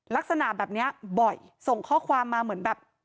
ลักษณะแบบนี้บ่อยส่งข้อความมาเหมือนแบบ